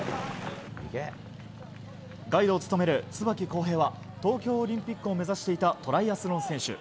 ガイドを務める椿浩平は東京オリンピックを目指していたトライアスロン選手。